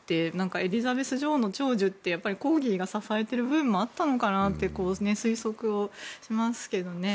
エリザベス女王の長寿ってコーギーが支えている分もあるのかなっていう推測をしますけどね。